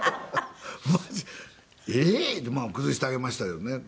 まあ崩してあげましたけどね。